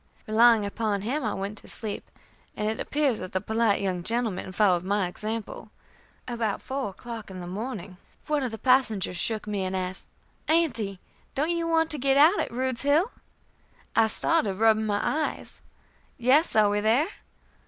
Relying upon him, I went to sleep, and it appears that the polite young gentleman followed my example. About four o'clock in the morning one of the passengers shook me, and asked: "Aunty, don't you want to get out at Rude's Hill?" I started up, rubbing my eyes. "Yes. Are we there?"